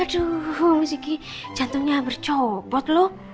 aduh miss gigi jantungnya bercobot loh